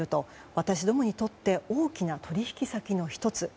私どもにとって大きな取引先の１つ。